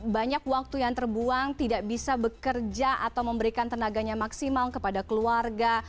banyak waktu yang terbuang tidak bisa bekerja atau memberikan tenaganya maksimal kepada keluarga